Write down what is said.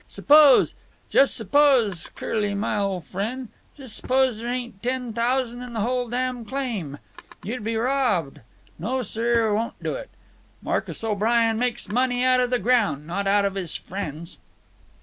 Suppose, jes' suppose, Curly, my ol' frien', jes' suppose there ain't ten thousan' in whole damn claim. You'd be robbed. No, sir; won't do it. Marcus O'Brien makes money out of the groun', not out of his frien's."